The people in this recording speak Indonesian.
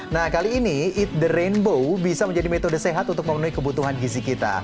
nah kali ini eat the rainbow bisa menjadi metode sehat untuk memenuhi kebutuhan gizi kita